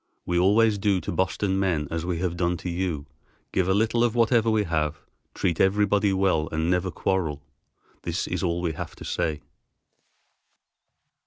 We always do to Boston men as we have done to you, give a little of whatever we have, treat everybody well and never quarrel. This is all we have to say."